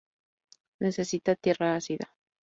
Necesita tierra ácida.